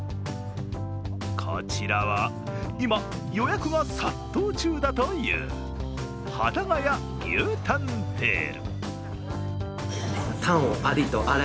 こちらは今、予約が殺到中だというハタガヤ牛タンテール。